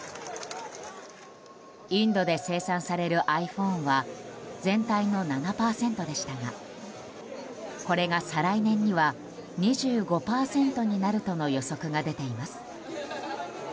インドで生産されるｉＰｈｏｎｅは全体の７％でしたがこれが再来年には２５％になるとの予測が出ています。